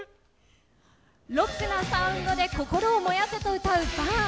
ロックなサウンドで心を燃やせと歌うＢＵＲＮ。